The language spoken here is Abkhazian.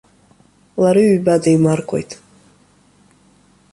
Лара ҩба деимаркуеит.